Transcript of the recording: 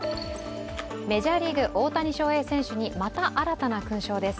メジャーリーグ、大谷翔平選手にまた新たな勲章です。